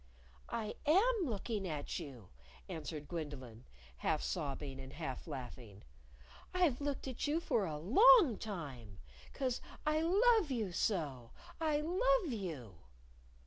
"I am looking at you," answered Gwendolyn, half sobbing and half laughing. "I've looked at you for a long time. 'Cause I love you so I love you!"